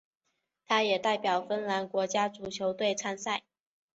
他也代表芬兰国家足球队参赛。